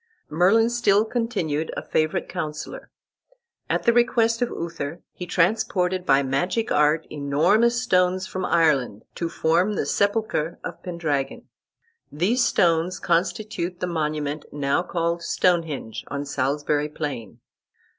Merlin still continued a favorite counsellor. At the request of Uther he transported by magic art enormous stones from Ireland, to form the sepulchre of Pendragon. These stones constitute the monument now called Stonehenge, on Salisbury plain.